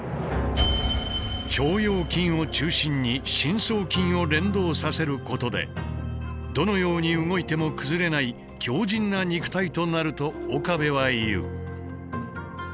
「腸腰筋」を中心に深層筋を連動させることでどのように動いても崩れない強靱な肉体となると岡部は言う。